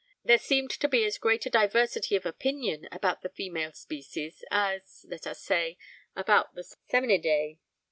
There seemed to be as great a diversity of opinion about the female species as, let us say, about the salmonidae.